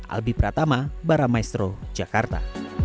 alby pratama baramaestro jakarta